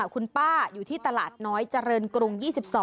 คุณป้าอยู่ที่ตลาดน้อยเจริญกรุง๒๒